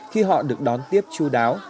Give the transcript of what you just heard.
khi họ được đón tiếp chú đáo